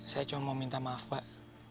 saya cuma mau minta maaf pak